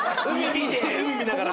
海見ながら。